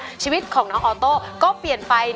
คุณแม่รู้สึกยังไงในตัวของกุ้งอิงบ้าง